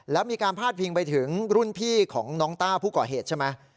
แล้วมีการพาดพิงไปถึงรุ่นพี่ของน้องต้าผู้ก่อเหตุใช่ไหม